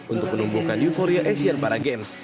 untuk menumbuhkan euforia asian para games